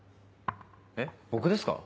えっ僕ですか？